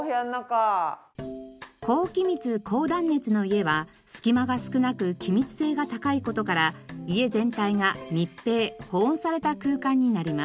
高気密高断熱の家は隙間が少なく気密性が高い事から家全体が密閉保温された空間になります。